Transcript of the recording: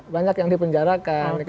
banyak yang dipenjarakan